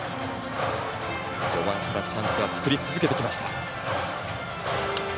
序盤からチャンスは作り続けてきました。